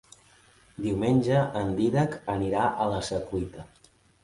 Diumenge en Dídac anirà a la Secuita.